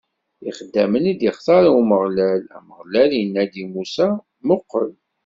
Ixeddamen i d-ixtaṛ Umeɣlal Ameɣlal inna-d i Musa: Muqel!